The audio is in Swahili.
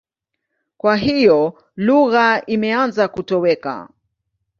Kwa hiyo lugha imeanza kutoweka.